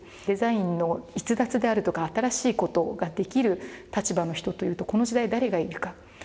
デザインの逸脱であるとか新しい事ができる立場の人というとこの時代誰がいるか。